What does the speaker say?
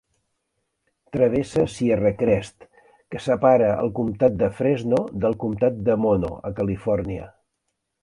Travessa Sierra Crest que separa el comtat de Fresno del comtat de Mono, a Califòrnia.